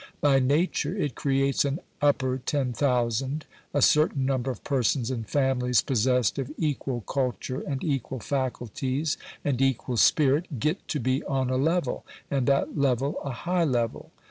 By nature it creates an "upper ten thousand"; a certain number of persons and families possessed of equal culture, and equal faculties, and equal spirit, get to be on a level and that level a high level.